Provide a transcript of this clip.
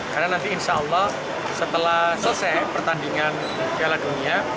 karena nanti insya allah setelah selesai pertandingan piala dunia